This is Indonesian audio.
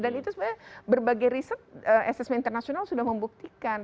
dan itu sebenarnya berbagai riset ssmi internasional sudah membuktikan